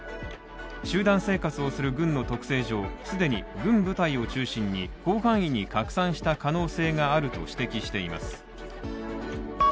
集団生活をする軍の特性上、既に軍部隊を中心に広範囲に拡散した可能性があると指摘しています。